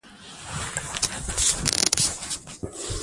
دی غواړي چې موږ خپل ځان وپیژنو.